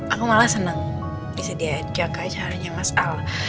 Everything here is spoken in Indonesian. aku malah senang bisa diajak ke acaranya mas al